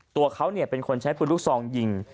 ตัวเขาเป็นคนใช้ปืนลูกซองยิง